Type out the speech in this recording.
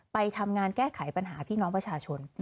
ไปทำงานแก้ไขปัญหาพี่น้องประชาชน